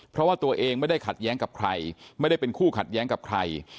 เพราะว่าตัวเองไม่ได้ขัดแย้งกับใครไม่ได้เป็นคู่ขัดแย้งกับใคร